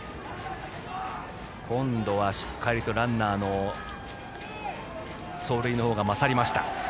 今度はしっかりとランナーの走塁の方が勝りました。